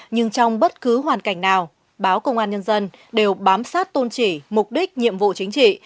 nhưng trong bất cứ hoàn cảnh nào báo công an nhân dân đều bám sát tôn trị mục đích nhiệm vụ chính trị